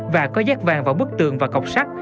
và có giác vàng vào bức tường và cọc sắt